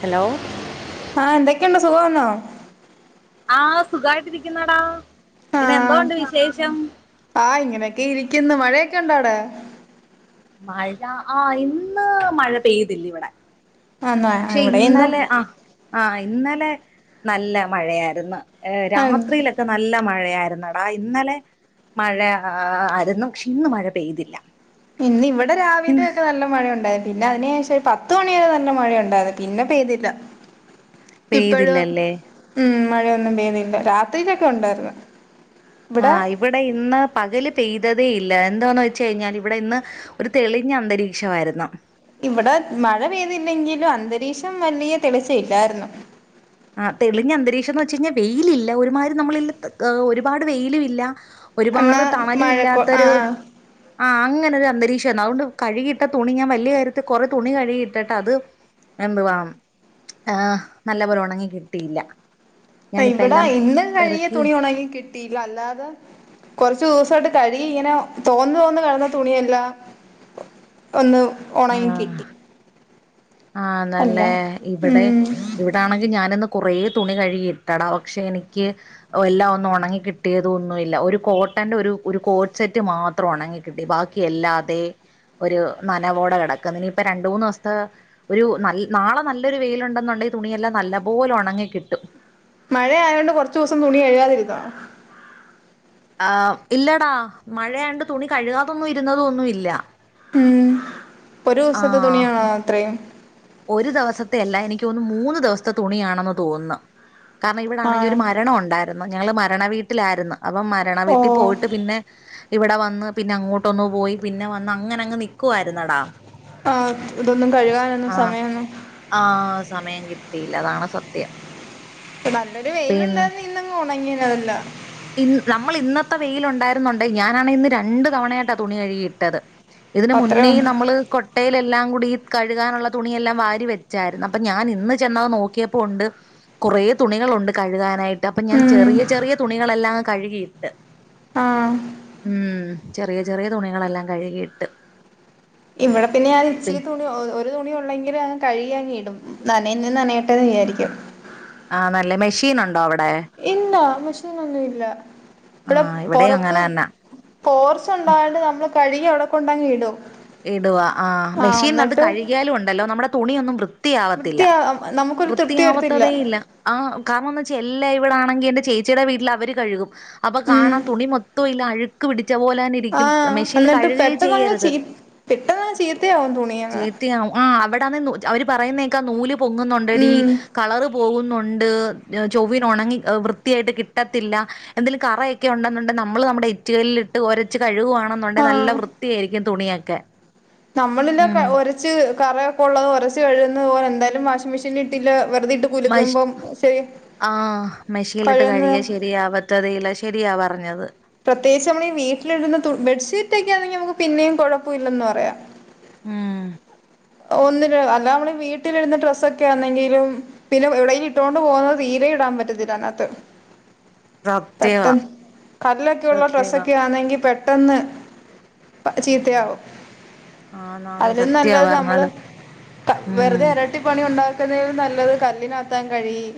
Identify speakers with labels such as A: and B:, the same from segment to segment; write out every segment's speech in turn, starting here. A: Hello
B: ആ എന്തൊക്കെയുണ്ട് സുഖവാന്നോ?
A: ആ സുഖായിട്ടിരിക്കുന്നെടാ പിന്നെ എന്തോ ഉണ്ട് വിശേഷം?
B: ആ ഇങ്ങനെയൊക്കെയിരിക്കുന്നു മഴയൊക്കെ ഒണ്ടോ അവ്ടെ?
A: മഴ ആ ഇന്ന് മഴ പെയ്തില്ലിവിടെ.
B: ആന്നോ
A: പക്ഷെ
B: ഇവിടെ ഇന്നും
A: ഇന്നലെ ആഹ് ആഹ് ഇന്നലെ നല്ല മഴയായിര്ന്ന് രാത്രിലൊ ക്കെ നല്ല മഴയായിരുന്നുടാ ഇന്നലെ മഴ ആയ്രുന്നു പക്ഷെ ഇന്ന് മഴ പെയ്തില്ല.
B: ഇന്ന് ഇവടെ രാവിലെ
A: ഇന്ന്
B: ഒക്കെ നല്ല മഴ ഉണ്ടായി പിന്നെ അതിന് ശേഷം പത്ത് മണി വരെ തന്നെ മഴ ഉണ്ടായിരുന്നു പിന്നെ പെയ്തില്ല. ഇപ്പഴും
A: പെയ്തില്ലല്ലേ
B: ഉം മഴയൊന്നും പെയ്യുന്നില്ല രാത്രിയിലൊക്കെ ഉണ്ടായിരുന്നു. ഇവിടെ
A: ആഹ് ഇവടെ ഇന്ന് പകല് പെയ്തതേ ഇല്ല എന്തൊന്ന് വെച്ച് കഴിഞ്ഞാല് ഇവടെ ഇന്ന് ഒരു തെളിഞ്ഞ അന്തരീക്ഷവായിര്ന്നു.
B: ഇവടെ മഴ പെയ്തില്ലെങ്കിലും അന്തരീക്ഷം വലിയ തെളിച്ചയില്ലായിരുന്നു.
A: ആഹ് തെളിഞ്ഞ അന്തരീക്ഷന്ന് വെച്ചഴിഞ്ഞാ വെയിലില്ല ഒരുമാതിരി നമ്മള് [unintelligible] ഒരുപാട് വെയിലും ഇല്ല
B: എന്നാ
A: ഒരുപാട് തണലു
B: മഴക്കോ
A: ഇല്ലാത്തൊരു
B: ആഹ് ആഹ്
A: ആഹ് അങ്ങനെ ഒരു അന്തരീക്ഷേന്നു അതൊണ്ട് കഴ്കിട്ട തുണി ഞാൻ വലിയ കാര്യത്തി കൊറേ തുണി കഴുകിട്ട്ട്ടത് എന്തുവാ ഏഹ് നല്ല പോലെ ഒണങ്ങി കിട്ടിയില്ല. ഞാനിപ്പ
B: ഇവടെ
A: എല്ലാം
B: ഇന്നും കഴ്കിയ
A: പെറുക്കി
B: തുണി ഒണങ്ങി കിട്ടീല്ല അല്ലാതെ കൊറച്ചൂസായിട്ട് കഴ്കി ഇങ്ങനെ തോന്നു തോന്ന് കെടന്ന തുണിയെല്ലാം ഒന്ന്
A: ആഹ്
B: ഒണങ്ങികിട്ടി
A: ആന്നല്ലേ ഇവടെ
B: ഉം
A: ഇവടാണെങ്കി ഞാനിന്ന് കൊറേ തുണി കഴുകിയിട്ടടാ ഒക്ഷെ എനിക്ക് ഓ എല്ലാ ഒന്നും ഒണങ്ങി കിട്ടിയതൊന്നുവില്ല ഒരു കോട്ടന്റെ ഒരു ഒരു കോട്ട് സെറ്റ് മാ- ത്രം ഒണങ്ങി കിട്ടി ബാക്കിയെല്ലാതെ ഒരു നനവോടെ കെടക്കന്ന് ഇനിയിപ്പ രണ്ട് മൂന്ന്സത്തെ ഒരു നല്ല നാളെ നല്ലൊരു വെയില്ണ്ടെന്ന്ണ്ടെങ്കി തുണിയെല്ലാം നല്ലപോലെ ഒണങ്ങി കിട്ടും.
B: മഴയായോണ്ട് കൊറച്ചൂസം തുണികഴുകാതിര്ന്നോ
A: ആഹ് ഇല്ലടാ മഴയാണ്ട് തുണി കഴ്കാതൊന്നും ഇര്ന്നതൊന്നുല്ല
B: ഉം ഒരൂസത്തെ
A: ആഹ്
B: തുണിയാണോ അത്രേയും
A: ഒരു ദെവസത്തെ അല്ലാ എനിക്കോന്നു മൂന്ന് ദിവസത്തെ തുണിയാണെന്ന് തോന്ന് കാരണം ഇവടാണെങ്കി
B: ആഹ്
A: ഒരു മരണം ഒണ്ടാരുന്നു ഞങ്ങള് മരണ വീട്ടിലാര്ന്ന് അപ്പൊ മരണ
B: ഓ
A: വീട്ടി പോയിട്ട് പിന്നെ ഇവടെ വന്ന് പിന്നെ അങ്ങോട്ടൊന്നു പോയി പിന്നെ വന്ന് അങ്ങനങ്ങ് നിക്കുവായിരുന്നെടാ
B: ആഹ് ഇതൊന്നും കഴുകാനൊന്നും
A: ആഹ്
B: സമയൊന്നും
A: ആഹ് സമയം കിട്ടീല്ലാ അതാണ് സത്യം
B: ഇപ്പ നല്ലൊരു
A: പിൻ
B: വെയിലുണ്ടാരുന്നേ ഇന്നങ്ങ് ഒണങ്ങിയേനെ അതെല്ലാം
A: ഇന്ന് നമ്മള് ഇന്നത്തെ വെയിലുണ്ടാര്ന്നുണ്ടേ ഞാനാണെ ഇന്ന് രണ്ട് തവണയായ്ട്ടാ തുണി കഴുകി ഇട്ടത് ഇതിന്
B: അത്രേ
A: മുന്നേയും
B: ഉള്ളൂ
A: നമ്മള് കൊ ട്ടേലെല്ലാം കൂടി ഈ കഴ്കാനുള്ള തുണിയെല്ലാം വാരി വെച്ചാര്ന്ന് അപ്പൊ ഞാൻ ഇന്ന് ചെന്നത് നോക്കിയപ്പോണ്ട് കൊറേ തുണികളുണ്ട് കഴ്കാനായി- ട്ട് അപ്പഞാൻ
B: ഉം
A: ചെറിയ ചെറിയ തുണികളെല്ലാം കഴ്കിയിട്ട്
B: ആഹ്
A: ഉം ചെറിയ ചെറിയ തുണികളെല്ലാം കഴ്കിയിട്ട്
B: ഇവടെ പിന്നെ ഞാൻ ഇച്ചിരി തുണി ഓ ഒ ഒരു തുണി ഒള്ളെങ്കിലു ഞാനത് കഴ്കിയങ്ങിടും നനയുന്നേ നനയേട്ടെന്ന് വിചാരിക്കും
A: ആഹ് നല്ലേ മെഷീനൊണ്ടോ അവടെ
B: ഇല്ലാ മെഷീനൊന്നും ഇല്ല
A: ആ
B: ഇബടെ
A: ഇവിടെയും
B: പൊറത്ത്
A: അങ്ങനെ തന്നെ
B: പോർച്ച് ഉണ്ടായൊണ്ട് നമ്മള് കഴ്കി അവടെ കൊണ്ടങ്ങി ഇടും
A: ഇടുവാ ആഹ് മെഷീനാത്ത് കഴ്കിയാലും ഉണ്ടല്ലോ നമ്മടെ തുണിയൊന്നും വൃത്തിയാവത്തില്ല
B: വൃത്തിയാ നമുക്കൊരു തൃപ്തി വരത്തില്ല
A: വൃത്തിയാവത്തതേ ഇല്ലാ ആഹ് കാരണെന്താച്ചാ എല്ലായിവടെണെങ്കി എന്റെ ചേച്ചീടെ വീട്ടിലവര് കഴ്കും അപ്പൊ
B: ഉം
A: കാണാം തുണി മൊത്തൊയില് അഴ്ക്ക് പിടിച്ചപോലന്നെ ഇ
B: ആഹ് അന്നിട്ട് പെട്ടെന്നങ്ങ് ചീ പെട്ടെന്നങ്ങ് ചീത്തയാവും തുണി
A: ചീത്തയാവു ആഹ് അവടാന്നെ അവര് പറയുന്നേക്കാ നൂല് പൊങ്ങുന്നുണ്ടെടീ
B: ഉം
A: കളറ് പോവുന്നുണ്ട് ഏഹ് ചൊവ്വിന് ഒണങ്ങി ഏഹ് വൃത്തിയായിട്ട് കിട്ടത്തില്ല എന്തേലും കറയെക്കെ ഉണ്ടെന്നുണ്ടെ നമ്മള് നമ്മടെ എറ്റ് കല്ലിലിട്ട് ഒരച്ച് കഴ്കുവാണെ ന്നുണ്ടേ നല്ല
B: ആഹ്
A: വൃത്തിയാരിക്കും തുണിയൊക്കെ
B: നമ്മളല്ലാ ക
A: ഉം
B: ഒരച്ച് കറയൊക്കെ ഒള്ളത് ഒരച്ച് കഴുകുന്നത് പോലെ എന്തായാലും വാഷിംഗ് മെഷീനി ത്തില്ലാ, വെറുതെയിട്ട്
A: മഷ്
B: കുലുക്കുംമ്പം ശെരി കഴന്ന്
A: ത്ഥതയില്ലാ, ശരിയാ പറഞ്ഞത്.
B: പ്രത്യേകിച്ചമ്മളീ വീട്ടിലിടുന്ന തു ബെഡ്ഷീറ്റൊക്കെയാണങ്കി നമുക്ക് പിന്നെയും കുഴപ്പവില്ലന്ന് പറയാം.
A: ഉം
B: ഒന്നില് അല്ലാമ്മള് വീട്ടിലിടുന്ന ഡ്രസ്സൊക്കെ ആന്നെങ്കിലും പിന്നെ എവടെ ഇലും ഇട്ടോണ്ട് പോന്നത് തീരെ ഇടാൻ പറ്റത്തില്ലാനാത്ത്.
A: സത്യവാ
B: പെട്ടന്ന് കല്ലൊക്കെയൊള്ള
A: സത്യവാ
B: ഡ്രസ്സൊക്കെയാണെങ്കി പെട്ടന്ന് പ
A: ഉം
B: ചീത്തയാവും.
A: ആന്നാന്ന്
B: അതിലും
A: സത്യവാ
B: നല്ലത്‌ നമ്മള്
A: പറഞ്ഞത്
B: താ
A: ഉം
B: വെറുതെ അ ട്ടിപ്പണി ഒണ്ടാക്കുന്നേലും നല്ലത് കല്ലിനാത്തങ്ങ് കഴികി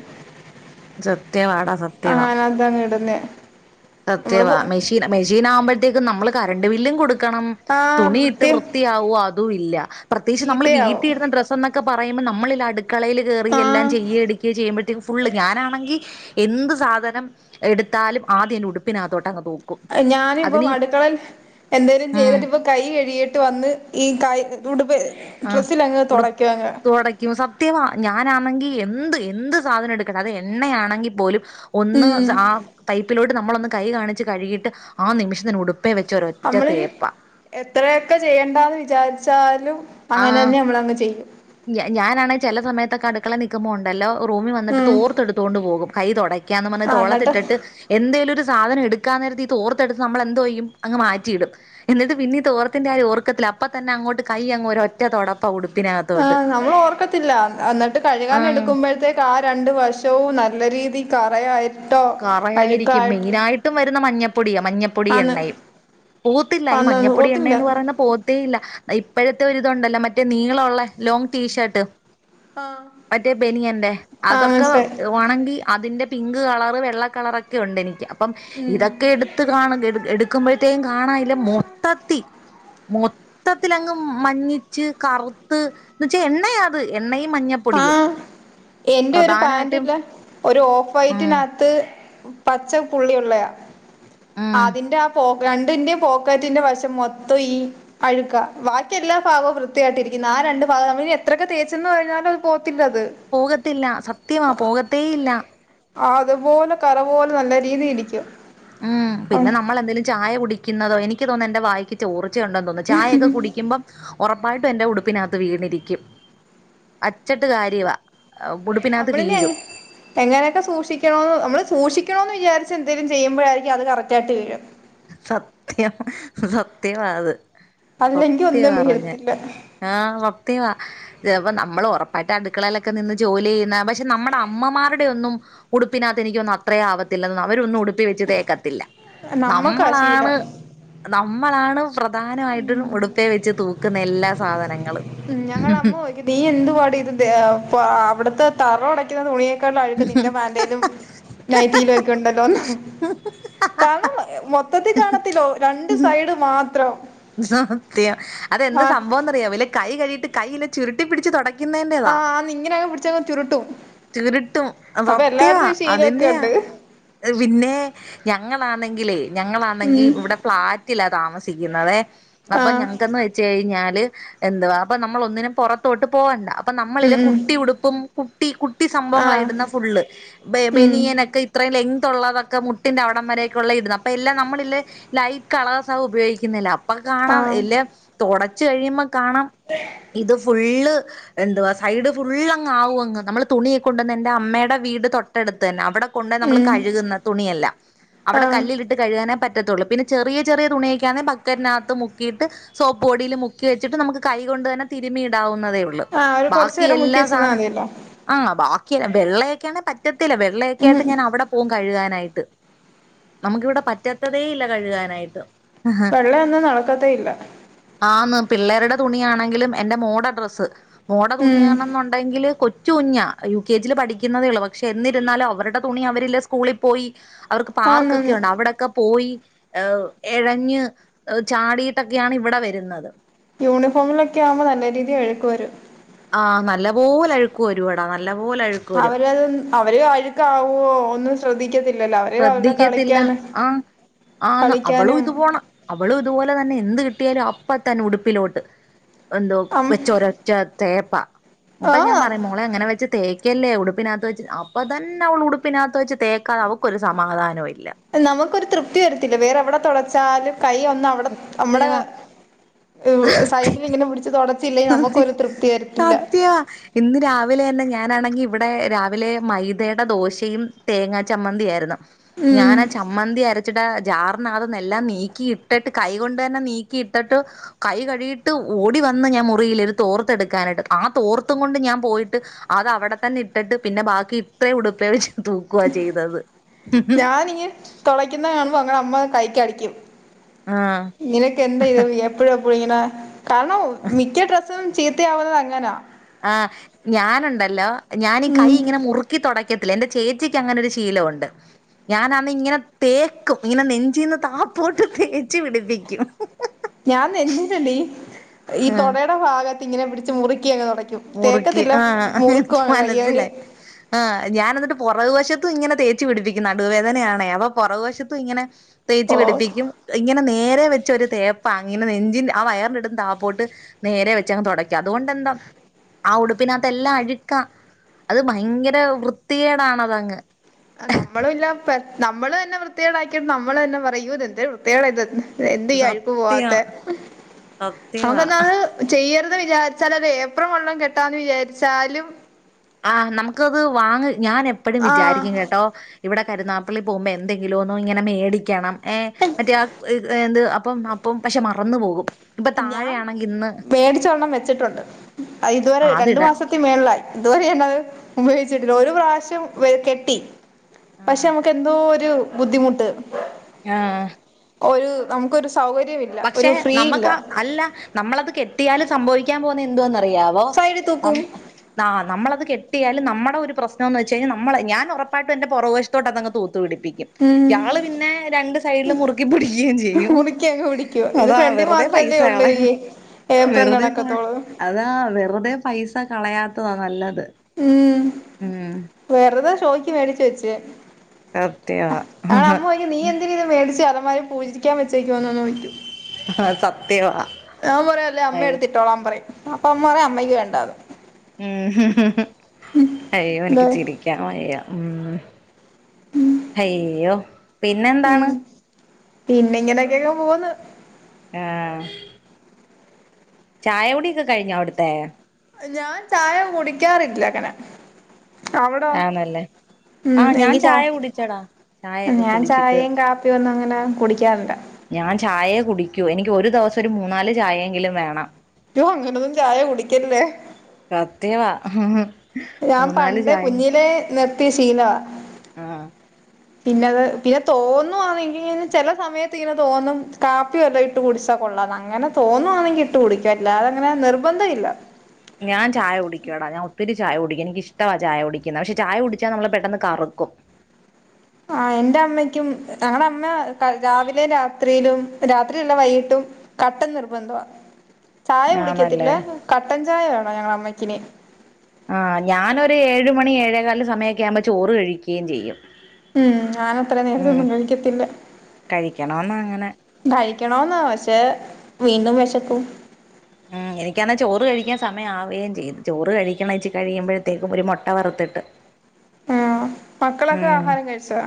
A: സത്യവാടാ സത്യവാ.
B: അതാണ് ഇടുന്നെ നമ്മള് പോ
A: സത്യവാ, മെഷിൻ മെഷീനാമ്പോഴത്തേക്കും നമ്മള് കറണ്ട് ബില്ലും കൊടുക്കണം.
B: ആഹ്
A: തുണിയിട്ട്
B: വൃത്തി
A: വൃത്തിയാവു അ അതുല്ല. പ്രത്യകിച്ച് നമ്മൾ
B: ചീത്തയാവും
A: വീട്ടിൽ ഇരുന്ന ഡ്രസ്സ്ന്നൊക്കെ പറയുമ്പം നമ്മളിലട് ക്കളയിൽ കേറി എല്ലാം
B: ആഹ്
A: ചെയ്യെം എടുക്കുകയും ചെയ്യുമ്പഴേത്തിനും ഫുള്ള് ഞാനാണെങ്കിൽ എന്ത് സാധനം എടുത്താലും ആദ്യം എന്റെ ഉട് പ്പിനകത്തോട്ടങ് പോകും.
B: ഞാന് ഇപ്പം അടുക്കളൽ എന്തേലും
A: ഉം
B: ചെയ്തിട്ട് ഇപ്പൊ കൈ കഴികീട്ട് വന്ന് ഈ കൈ ഉടുപ്പേ ഡ്രസ്സിലങ്ങ് തൊടക്കുവങ്കാരം.
A: തൊടക്കുമ സം ത്യവ, ഞാനാണെങ്കി എന്ത് എന്ത് സാധനം എടുക്കട്ട, അത് എ എണ്ണയാണെങ്കിൽ പോലും ഒന്ന്
B: ഉം
A: ആ പൈപ്പിലോട്ട് നമ്മളൊന്ന് കൈ കാണിച്ച് കഴുകിട്ട് ആ നിമിഷം തന്നെ ഉടു പ്പെ വെച്ച് ഒര് ഒറ്റ
B: നമ്മള്
A: തേപ്പ.
B: എത്രയൊക്കെ ചെയ്യേണ്ട എന്ന് വിചാരിച്ചാലും അങ്ങനെ തന്നെ നമ്മളങ്ങ് ചെയ്യും.
A: ഞാനാണെിൽ ചെല സമയത്തൊക്കെ അടുക്കള നൽക്കുമ്പോ ഉണ്ടല്ലോ റൂമിൽ വന്നിട്ട്
B: ഉം
A: തോർത്തെടുത്തുകൊണ്ട് പോകും. കൈ തുടക് ക്കാംന്ന് പറഞ്ഞ്
B: ആഹ് എന്നിട്ട്
A: തോളത്തിട്ടിട്ട് എന്തേലും ഒരു സാധനം എടുക്കാൻ നേരത്തെ ഈ തോർത്തെടുത്ത് നമ്മൾ എന്തോ ചെയ്യും, അങ് മാറ്റിയിടും. എന്നിട്ട് പിന്നീട് തോർത്തിന്റെ കാര്യം ഓർക്കത്തില്ല അപ്പൊ തന്നെ അങ്ങോട്ട് കൈ അങ് ഒര് ഒറ്റ തൊടപ്പ ഉടുപ്പിനക
B: ഹാ, നമ്മള് ഓർക്കത്തില്ല എന്നിട്ട് കഴുകാന
A: ആഹ്
B: എടുക്കുമ്പോഴത്തേ ക്കാ രണ്ട് വശവും നല്ല രീതി കറയായി
A: കറയായിരിക്കും, മെയിന ആയിട്ടും വരുന്ന മഞ്ഞപ്പൊടിയാ മഞ്ഞപ്പൊടി
B: ആന്ന്
A: എണ്ണയും പോവത്തില്ല, ഈ
B: ആന്ന്
A: മഞ്ഞപ്പൊടി എണ്ണ
B: പോത്തില്ല
A: എന്ന് പറയുന്ന പോ ത്തേയില്ല ഇപ്പഴത്തെ ഒരുരിതുണ്ടല്ലോ മറ്റേ നീളോള്ളേ ലോങ്ങ് ടീഷർട്ട്
B: ആഹ്
A: മറ്റേ ബെനിയന്റെ അതൊക്കെ
B: മനസ്സിലായി
A: ഒണങ്കി അതിന്റെ പിങ്ക് കളർ വെള്ള കളറൊക്കെ ഉണ്ട് എനിക്ക്. അപ്പം ഇതൊക്കെ എടുത്ത് കാണ [unintelligible] ക്കുമ്പോഴത്തേക്കും കാണാല്ല മൊത്തത്തി മൊ ത്തത്തിലങ്ങ് മഞ്ഞിച്ച് കറുത്ത് എന്നച്ച വെച്ചാ എണ്ണയാ അത്. എണ്ണയും മഞ്ഞ
B: ആഹ്, എന്റെ ഒരു പാന്റില് ഒരു ഓഫ്
A: ഉം
B: വൈറ്റിനകത്ത് പച്ച പുള്ളിയുള്ളയാ,
A: ഉം
B: അതിന്റെ ആ പോ രണ്ടിന്റെ പോക്കാറ്റിന്റെ വശം മൊത്തം ഈ അഴുക്ക, ബാക്കി എല്ലാ ഭാഗവും വൃത്തിയായിട്ടിരിക്കുന്നു. ആ രണ്ടു ഭാഗം നമ്മളിനി എത്രൊക്കെ തേച്ചന്ന് പറഞ്ഞാലും പോത്തില്ലത്.
A: പോകത്തില്ല സത്യമാ പോകത്തേയില്ല
B: ആഹ്, അതുപോലെ കറ പോലെ നല്ല രീതി ഇരിക്കും.
A: ഉം, പിന്നെ നമ്മളെന്തേലും ചായ കുടിക്കുന്നതോ എനിക്ക് തോന്നുന്നു എൻ്റെ വായിക്ക് ചോർച്ചയുണ്ടോന്ന് തോന്നുന്നു. ചായൊക്കെ കുടിക്കുമ്പോം ഒറപ്പായിട്ടും എന്റെ ഉടുപ്പിനകത്ത് വീണിരിക്കും. അച്ചട്ട് കാര്യവാ
B: അ
A: ഉടുപ്പിനകത്ത്
B: [unintelligible]
A: വീഴും
B: എങ്ങനെയൊക്കെ സൂക്ഷിക്കണോന്ന് നമ്മള് സൂക്ഷിക്കണോം എന്ന് വിചാരിച്ച് എന്തെങ്കലും ചെയ്യുമ്പോഴായിരിക്കും അത് കറക്റ്റായിട്ട് വീഴ
A: സത്യം സത്യമാ അത്
B: അല്ലെങ്കി
A: സത്യ
B: ഒന്നും
A: പറഞ്ഞ
B: വീഴത്തില്ല
A: ആഹ് വക്തയ അപ്പ നമ്മൾ ഉറപ്പായിട്ട് അടുക്കളയിലൊക്കെ നിന്ന് ജോലി ചെയ്യുന്ന പക്ഷെ നമ്മടെ അമ്മമാരുടെ ഒന്നും ഉടുപ്പിനകത്ത്നൊന്നും അത്രേ ആവത്തില്ലും അവരൊന്നും ഉടുപ്പേച്ച് തേക്കത്തില്ല
B: നമ്മക്കാ
A: നമ്മളാണ്
B: ശീലം
A: നമ്മളാണ് പ്രധാനമായിട്ടും ഉടുപ്പേ വെച്ച് തൂക്കുന്ന എല്ലാ സാധനങ്ങളും
B: ഉ ഞങ്ങള അമ്മ പോയ്ക്ക് നീ എന്തുപാട് ഇത് അവിടത്തെ തറ ഉടയ്ക്കുന്ന തുണിയ ള്ള അഴുക്ക് നിന്റെ മാന്തയിലും നൈത്തിയിലും ഒക്കെ ഉണ്ടല്ലോന്ന് കാരണം മൊത്തത്തിൽ കാണത്തില്ലോ രണ്ട്
A: ഉം
B: സൈഡ് മാത്രം
A: സത്യം അതെന്ത
B: ആ
A: സംഭവംന്ന്റിയാ ഇല്ല കൈ കഴിയിട്ട് കൈയി ചുരുട്ടി പിടിച്ച് തുട
B: ആഹ് നിങ്ങനെെ പിടിച്ചെങ്ങ് ചുരുട്ടും
A: ചിരുട്ടും
B: അപ്പൊ
A: സത്യവാ
B: എല്ലായിടത്തും ഈ ശീലമൊക്കെ
A: അതിന്റെയാ
B: ഉണ്ട്
A: പിന്നെ ഞങ്ങളാണെങ്കിലേ ഞങ്ങളാണെങ്കിൽ
B: ഉം
A: ഇവിടെ ഫ്ളാറ്റിലാ താമസിക്കുന്നുന്നത് അപ്പൊ
B: ആഹ്
A: ഞങ്ങക്കന്ന് വെച്ച കഴിഞ്ഞാല് എന്തുവാ അപ്പൊ നമ്മൾ ഒന്നിനും പുറത്തോട്ട് പോകണ്ട അപ്പൊ നമ്മളില്
B: ഉം ഉം
A: കുട്ടി ഉടുപ്പും കുട്ടി കുട്ടി സംഭവങ്ങളായി
B: ആഹ്
A: ഇടുന്ന ഫുള്ള്
B: ഉം
A: ബെനിയനൊക്കെ ഇത്രയും ലെങ് ഉള്ളതൊക്കെ മുട്ടിന്റെറെ അവിട വരക്കുള്ള ഇടുന്നു അപ്പൊ എല്ലാം നമ്മളില് ലൈറ്റ് കളേ്സ ഉപയോഗിക്കുന്നില്ല അപ്പ കാണാം
B: ആഹ്
A: ഇല്ലെ തുടച്ച് കഴിയുമ്പ കാണാം ഇത് ഫുള്ള് എന്തുവാ സൈഡ് ഫുൾങ്ും അങ്ങ് നമ്മള് തുണിയെക്ക കൊണ്ടുവന്ന് എന്റെ അമ്മയുടെ വീട് തൊട്ടടുത്ത് തന്നെ അവിടെ കൊ നമ്മൾ
B: ഉം
A: കഴുകുന്ന തുണിയല്ല അവിടെ
B: ആഹ്
A: കല്ല് കിട്ട കഴുകാനേ പറ്റത്തുള്ളൂ പിന്നെ ചെറിയ ചെറിയ തുണിയൊക്കാെന്നെ ബക്കനകത്ത് മുക്കിയിട്ട് സോപ്പ്ടിയിൽ മുക്കി വെച്ചിട്ട് നമുക്ക് കൊണ്ട് തന്നെ തിരുമ ഇടാവുന്നേ ഉള്ളൂ
B: ആഹ് ഒരു കൊറച്ചു
A: ബാക്കി
B: നേരം മുക്കി
A: എല്ലാ
B: വെച്ചെന്നാ
A: സാധന
B: മതിയല്ലോ
A: ആഹ് ബാക്കിയ വെള്ളയൊക്കൊണേ പറ്റത്തില്ല വെള്ളയൊക്കെ
B: ഉം
A: ആയിട്ട് ഞാൻ അവടെ പോു കഴുകാനായിട്ട് നമുക്കിവിടെ പറ്റാത്തതേ ഇല്ല കഴുകാനായിട്ട് ആഹാ
B: വെള്ള ഒന്നും നടക്കത്ത ഇല്ല
A: ആന്ന് പിള്ളേരുടെ തുണിയണെങ്കിലും എന്റെ മോട ഡ്രസ്സ് മോട
B: ഉം
A: തുണിയാണെന്നുണ്ടെങ്കില് കൊ കൊച്ചു കുഞ്ഞ യു കെ ജിൽ പഠിക്കുന്നതേ ഉള്ളൂ പക്ഷെ എന്നിരുന്നാലും അവരുടെ തുണി അവരില്ല സ്കൂളിൽ പോയി അവർക്ക് പാർക്കൊക്കെ
B: ആന്നാന്ന്
A: ഉണ്ട് അവിടെക്കെ പോയി ഹ് എഴഞ്ഞ് ചാടിയിട്ടൊക്കെയാണ് ഇവിടെ വരുന്നത്
B: യൂണിഫോമിലൊക്കെ ആവുമ്പോ നല്ല രീതിൽ എഴുക്ക് വരും
A: ആഹ് നല്ല പോലെ അഴുക്കുവ ഒരുപടാ നല്ലപോലെ അഴുക്കും
B: അവരത് അവര് കഴുക്കാവോ ഒന്നും ശ്രദ്ധിക്കത്തില്ലല്ലോ അവര് അവരുടെ
A: ശ്രദ്ധിക്കത്തില്ല
B: കളിക്കാന്
A: ആഹ് ആ അവളും
B: കളിക്കാനും
A: ഇത് പോണം അവളും ഇതുപോലെ തന്നെ എന്ത് കിട്ടിയാലും അപ്പത്തന്നെ ഉടുപ്പിലോട്ട് എന്തോ
B: അം
A: വെച്ച ഒരച്ച തേപ്പ അപ്പ ഞാൻ
B: ആഹ്
A: പറയുമോ നമ്മളെങ്ങനെച്ച് തേക്കല്ലേ ഉടുപ്പിനകത്ത് വെച്ച് അപ്പ തന്നെ അവള് ഉടുപ്പിനകത്ത് വെച്ച് തേക്കാതെ അവ ഒരു സമാധാനവും ഇല്ല
B: നമുക്കൊരു തൃപ്തി വരത്തില്ല വേറെ എവിടെ തുടച്ചാലും കൈ ഒന്ന് അവിടെ നമ്മടെ
A: സത്യവാ
B: സൈഡിൽ ഇങ്ങനെ പിടിച്ച തൊ
A: അതെ സത്യാ ഇന്ന് രാവിലെ തന്നെ ഞാനാണെങ്കിൽ ഇവിടെ രാവിലെ മൈദയുടെ ദോശയും തേങ്ങാ ചമ്മന്തി ആയിരുന്നു
B: ഉം
A: ഞാനാ ചമ്മന്തി അരച്ചിട്ടാ ജാറിന അതന്നെല്ലാം നീക്കിയിട്ടിട്ട് കൈകൊണ്ട് തന്നെ നീക്കിയിട്ടിട്ട് കൈ കഴിയിട്ട് ഓടി വന്ന് ഞാൻ മുറിയില്ല ഒരു തോർത്തെ എടുക്കാനായിട്ട് ആ തോർത്തും കൊണ്ട് ഞാൻ പോയിട്ട് അത് അവിടെ തന്നെ ഇട്ടിട്ട് പിന്നെ ബാക്കി ഇത്ര ഉടുപ്പ വെച്ച് തൂക്കുക ചെയ്തത്
B: ഞാനിങ്ങ തുളയ്ക്കുന്ന കാണുമ്പോ അങ്ങനെ അമ്മ കൈക്കടിക്കും
A: ആഹ്
B: ഇങ്ങനെയൊക്കെ എന്താ ഇത് എപ്പോഴും എപ്പോഴും ഇങ്ങനെ കാരണം മിക്ക ഡ്രസ്സും ചീത്തയാവുന്നത് അങ്ങനാ
A: ആഹ് ഞാനുണ്ടല്ലോ ഞാനീ കൈ
B: ഉം
A: ഇങ്ങനെ മുറുക്കി തുടി ത്തി എൻ്റെ ചേച്ചിക്ക് അങ്ങനൊരു ശീലമുണ്ട് ഞാന അത് ഇങ്ങനെ തേക്കും ഇങ്ങനെ നെഞ്ചീന്ന് താപ്പോട്ട് തേച്ച്പിടിപ്പിക്കും
B: ഞാൻ നെെന്നിട്ടല്ലേ ഈ
A: ആഹ്
B: തൊടയുടെ ഭാഗത്ത് ഇങ്ങനെ പിടിച്ച് മുറുക്കിയൊക്കെ തുടയ്ക്കും
A: മുറുക്കി
B: തേക്കത്തില്ല മുറുക്കുവ വയ്യ
A: ആ ഞാന എന്നിട്ട് പുറവുവശത്തും ഇങ്ങനെ തേച്ചു പിടിപ്പിക്കുന്നു നടുവേദനയാണേ അപ്പൊ പുറവുവശത്തും ഇങ്ങനെ തേച്ച്
B: ഓ
A: പിടിപ്പിക്കും ഇങ്ങനെ നേരെ വെച്ച ഒരു തേപ്പ ഇങ്ങനെ നെഞ്ചിൻ ആഹ് വയറിൻ എടുുന്ന താപോട്ട് നേരെ വെച്ചങ് തുടക്കാം അതുകൊണ്ടന്താ ആഹ് ഉടുപ്പിനകത്തെ എല്ലാം അഴുക്കാം അത് ഭയങ്കര വൃത്തിയേടാണതങ്ങ്
B: നമ്മള ഇല്ല നമ്മള് തന്നെ വൃത്തികള ആാക്കിയിട്ട് നമ്മൾ തന്നെ പറയൂ എന്ത് വൃത്തികൾ ഇത് എന്ത് ചെയ്യ അഴുക്ക് പോവാത്തെ
A: സത്യം
B: നമക്ക്
A: സത്യവാ
B: എന്തത് ചെയ്യരുത് വിചാരിച്ചാല അല്ല ഏപ്രം വെള്ളം കെട്ടാന്ന് വിചാരിച്ചാലും
A: ആഹ് നമുക്കത് വാങ്ങ ഞാൻ എപ്പഴും
B: ആഹ്
A: വിചാരിക്കും കേട്ടോ ഇവിടെ കരുന്നാപ്പള്ളി പോകുമ്പോൾ എന്തെങ്കിലും ഒന്നും ഇങ്ങനെ മേടിക്കണം ഏഹ് മറ്റേ എന്ത് അപ്പം അപ്പം പക്ഷെ മറന്നു പോകും ഇപ്പൊ
B: ഞാൻ
A: താഴെയാണെങ്കി ഇന്ന്
B: മേടിച്ചൊരണ്ണം വെച്ചിട്ടുണ്ട് ഇതുവരെ രണ്ടു
A: അതിടാൻ
B: മാസത്തി മേളായി ഇതുവരെ അത് ഉപയോഗിച്ചിട്ടില്ല ഒരു പ്രാവശ്യം കെട്ടി പക്ഷെ
A: ആഹ്
B: നമുക്ക് എന്തോ ഒരു ബുദ്ധിമുട്ട്
A: ആഹ്
B: ഒരു നമുക്കൊരു സൗകര്യമില്ല ഒരു
A: പക്ഷെ
B: ഫ്രീ ഇല്ല
A: നമുക്ക് ആ അല്ല നമ്മളത് കെട്ടിയാലും സംഭവിക്കാൻ പോന്ന എന്തന്നറിയാവോ?
B: സൈഡിൽ തൂക്കും
A: ആ നമ്മളത് കെട്ടിയാലും നമ്മടെ ഒരു പ്രശ്നംന്ന് വെച്ച് കഴിഞ്ഞാ നമ്മള ഞാൻ ഉറപ്പായിട്ടും എന്റെ പുറകശത്തോട്ട് അങ് തൂത്തു പിടിപ്പിക്കും
B: ഉം
A: ഇയാള് പിന്നെ രണ്ട് സൈഡില് മുറുക്കിപിടിക്കുകയും ചെയ്യും
B: [unintelligible] കുടിക്കോ
A: അതാ വെറുതെ പൈസകളയ
B: ഏപ്രം
A: വെറുതെ
B: കണക്കത്തോള്
A: അതാ വെറുതെ പൈസ കളയാത്തതാ നല്ലത്
B: ഉം
A: ഉം
B: വെറുതെ ഷോയ്ക്ക് മേടിച്ച് വെച്ചേ
A: സത്യവാ
B: അടെ അമ്മോയ്ക്കും നീ എന്തിന് ഇത് മേടിച്ച അലമാരെ പൂജരിക്കാൻ വെച്ചേക്കോന്ന്ന്ന് ചോദിക്കോ
A: ആഹ് സത്യവാ
B: ഞാൻ പറയും അല്ലേ
A: അയ്യോ
B: അമ്മയെടുത്തിട്ടോളാൻ പറയും അപ്പൊ അമ്മ പറയും അമ്മക്ക് വേണ്ടാ
A: ഉം [unintelligible] അയ്യോ
B: ന്താ
A: എനിക്ക് ചിരി ക്കാൻവയ്യ ഉം അയ്യോ പിന്നെ
B: ഉം
A: എന്താണ്
B: പിന്നെ ഇങ്ങനെയൊക്കെയൊക്കെ പോക്ന്ന്
A: ആഹ് ചായ കുടിയൊക്കെ കഴിഞ്ഞോ അവിടുത്തെ
B: ഞാൻ ചായ കുടിക്കാറില്ല അങ്ങനെ അവിടോ
A: ആണല്ലേ
B: ഉം
A: ആഹ് ഞാൻ
B: എനിക്ക് ചാ
A: ചായ കുടിച്ചടാ ചായയൊക്കെ
B: ഞാൻ
A: കുടിച്ചിട്ട്
B: ചായയും കാപ്പിയും ഒന്നും അങ്ങനെ കുടിക്കാറില്ല
A: ഞാൻ ചായെ കുടിക്കൂ എനിക്ക് ഒരു ദിവസം ഒരു മൂന്നാല് ചായെങ്കിലും വേണം
B: [unintelligible] അങ്ങനൊന്നും ചായ കുടിക്കല്ലേ
A: സത്യവാ [unintelligible]
B: ഞാൻ
A: മൂന്നാല്
B: പണ്ടെ
A: ചായ
B: കുഞ്ഞിലെ നിർത്തി ശീലവ
A: ആഹ്
B: പിന്നത് പിന്നെ തോന്നുവാണെങ്കിൽ ചില സമയത്ത് ഇങ്ങനെ തോന്നും കാ പ്പി വല്ലോ ഇട്ട് കുടിച്ചാ കൊള്ളാന്ന് അങ്ങനെ തോന്നുവാണെങ്കി ഇട്ട് കുടിക്കും അല്ലാതങ്ങനെ നിർബന്ധം ഇല്ല
A: ഞാൻ ചായ കുടിക്കുടാ ഞാൻ ഒത്തിരി ചായ കുടിക്കും എനിക്ക് ഇഷ്ടവാ ചായ കുടിക്കുന്നത് പക്ഷെ ചായ കുടിച്ചാ നമ്മള് പെട്ടെന്ന് കറുക്കും
B: ആഹ് എന്റെ അമ്മയ്ക്കും ഞങ്ങളുടെ അമ്മ രാവിലെ രാത്രിയിലും രാത്രിയല്ല വൈകിട്ടും കട്ടൻ നിർബന്ധമാ ചായ കുടിക്കത്തില്ല
A: ആന്നല്ലേ
B: കട്ടൻ ചായ വേണോ ഞങ്ങളെ അമ്മക്കിന്
A: ആ്ഹ് ഞാനൊരു ഏഴ് മണി ഏഴേകാല് സമയമൊക്കെ ആകുമ്പോ ചോറ് കഴിക്കുകയും ചെയ്യും
B: ഉം ഞാൻ അത്ര
A: ഉം
B: നേരത്തൊന്നും കഴിക്കത്തില്ല
A: കഴിക്കണോന്ന് അങ്ങനെ
B: കയിക്കണോന്ന പക്ഷെ വീണ്ടും വെശക്കും
A: ഉം എനിക്കാണേ ചോറ് കഴിക്കാൻ സമയം ആവുകയും ചെയ്തു ചോറ് കഴിക്കണ വെച്ചച്ച് കഴിയുമ്പോഴത്തേക്കും ഒരു മുട്ട വറുത്തിട്ട്
B: ആഹ് മക്കളൊക്കെ
A: ഉം
B: ആഹാരം കഴിച്ചോ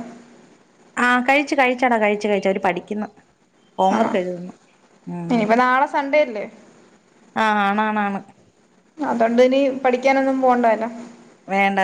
A: ആഹ് കഴിച്ചു കഴിച്ചടാ കഴിച്ചു കഴിച്ച് അവര് പഠിക്കുന്നു ഹോം
B: ആണോ
A: വർക്ക് എഴുതുന്നു ഉം
B: ഇനിയിപ്പോ നാളെ സൺഡേ അല്ലേ
A: ആഹ് ആണാണാണ്
B: അതോണ്ടിനി പഠിക്കാനൊന്നും പോണ്ടല്ലോ
A: വേണ്ട